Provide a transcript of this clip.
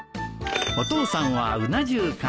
お父さんはうな重か。